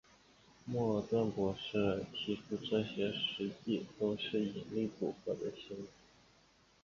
莫尔顿博士提出这些实际都是引力捕获的星子。